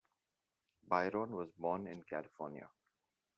Byron was born in California.